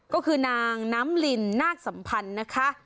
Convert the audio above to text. ก็คือนางน้ำลินนาคสัมพันธ์นะคะ